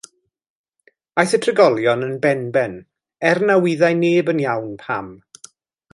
Aeth y trigolion yn benben, er na wyddai neb yn iawn pam.